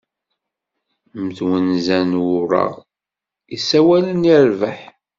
Mm twenza n ureɣ, yessawalen i rbeḥ.